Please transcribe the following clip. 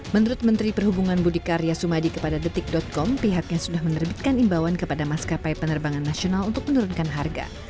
menurut menteri perhubungan budi karya sumadi kepada detik com pihaknya sudah menerbitkan imbauan kepada maskapai penerbangan nasional untuk menurunkan harga